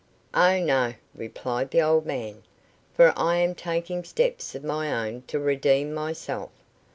"Oh, no," replied the old man, "for I am taking steps of my own to redeem myself.